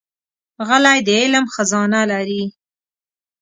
غلی، د علم خزانه لري.